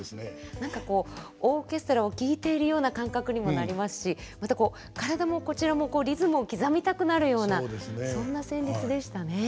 何かこうオーケストラを聴いているような感覚にもなりますしまた体もこちらもリズムを刻みたくなるようなそんな旋律でしたね。